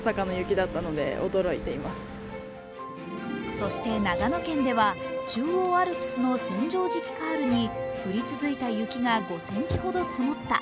そして長野県では中央アルプスの千畳敷カールに降り続いた雪が５センチほど積もった。